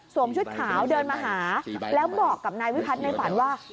ชุดขาวเดินมาหาแล้วบอกกับนายวิพัฒน์ในฝันว่า